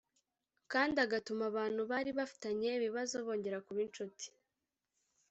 kandi agatuma abantu bari bafitanye ibibazo bongera kuba inshuti.